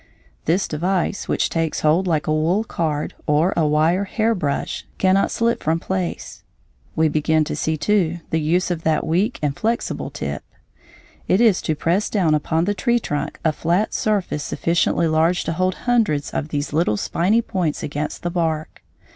This device, which takes hold like a wool card, or a wire hair brush, cannot slip from place. We begin to see, too, the use of that weak and flexible tip; it is to press down upon the tree trunk a flat surface sufficiently large to hold hundreds of these little spiny points against the bark.